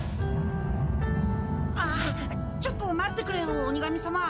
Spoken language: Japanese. ああちょっと待ってくれよ鬼神さま。